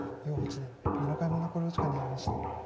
余八段７回目の考慮時間に入りました。